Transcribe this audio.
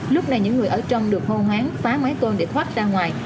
lúc này những người ở trong được hô hoáng phá mái tôn để thoát ra ngoài